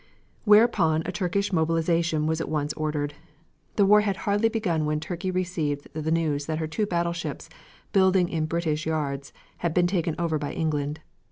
Whereupon a Turkish mobilization was at once ordered. The war had hardly begun when Turkey received the news that her two battleships, building in British yards, had been taken over by England.